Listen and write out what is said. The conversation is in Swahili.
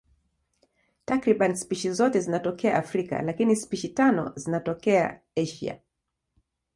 Takriban spishi zote zinatokea Afrika, lakini spishi tano zinatokea Asia.